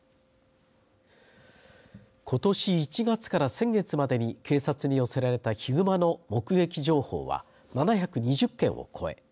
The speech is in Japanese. ことし１月から先月までに警察に寄せられたヒグマの目撃情報は７２０件を超え